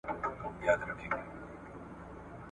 او پر جنازو بار سوي ورځي پای ته نه رسیږي ..